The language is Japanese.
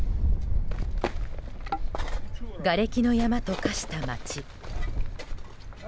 がれきの山と化した街。